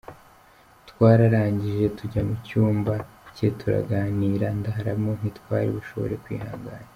Twararangije tujya mu cyumba cye turaganira ndaramo, ntitwari bushobore kwihangana.